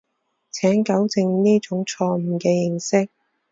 請糾正呢種錯誤嘅認識